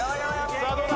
さぁどうだ？